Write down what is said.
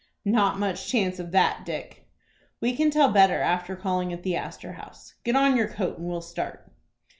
"Not much chance of that, Dick." "We can tell better after calling at the Astor House. Get on your coat and we'll start."